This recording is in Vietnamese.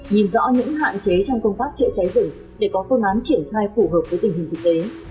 nhìn rõ những hạn chế trong công tác chữa cháy rừng để có phương án triển khai phù hợp với tình hình thực tế